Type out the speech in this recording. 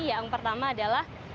yang pertama adalah